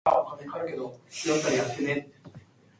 She finished the season with two wins in nine starts.